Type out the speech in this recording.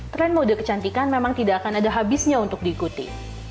trend mode kecantikan memang tidak akan ada habisnya untuk diikuti